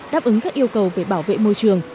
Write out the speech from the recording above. đáp ứng các yêu cầu về bảo vệ môi trường